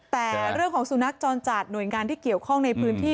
แต่เรื่องของสุนัขจรจัดหน่วยงานที่เกี่ยวข้องในพื้นที่